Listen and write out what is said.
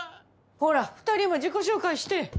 ほら２人も自己紹介して。